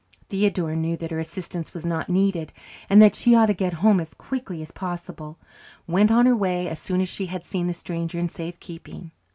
Theodora, knowing that her assistance was not needed, and that she ought to get home as quickly as possible, went on her way as soon as she had seen the stranger in safe keeping.